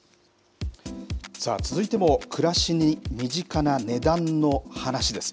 さあ、続いても暮らしに身近な値段の話です。